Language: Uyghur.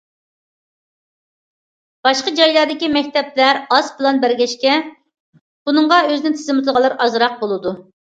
باشقا جايلاردىكى مەكتەپلەر ئاز پىلان بەرگەچكە، ئۇنىڭغا ئۆزىنى تىزىملىتىدىغانلار ئازراق بولىدۇ.